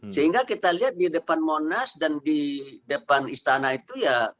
sehingga kita lihat di depan monas dan di depan istana itu ya